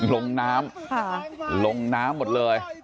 ลงน้ำลงน้ำหมดเลย